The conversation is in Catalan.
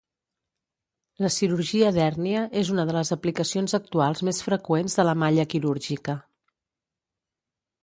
La cirurgia d'hèrnia és una de les aplicacions actuals més freqüents de la malla quirúrgica.